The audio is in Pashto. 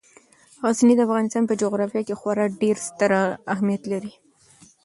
غزني د افغانستان په جغرافیه کې خورا ډیر ستر اهمیت لري.